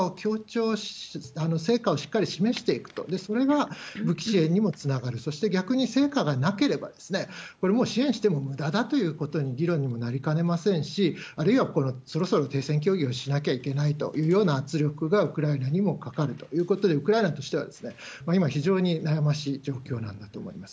ですから、成果をしっかり示していくと、それが武器支援にもつながる、そして逆に成果がなければ、これもう支援してもむだだということに、議論にもなりかねませんし、あるいはそろそろ停戦協議をしなきゃいけないというような圧力がウクライナにもかかるということで、ウクライナとしては今非常に悩ましい状況なんだと思います。